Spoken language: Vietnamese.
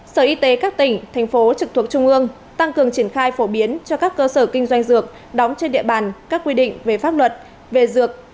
sở y tế các tỉnh thành phố trực thuộc trung ương tăng cường triển khai phổ biến cho các cơ sở kinh doanh dược đóng trên địa bàn các quy định về pháp luật về dược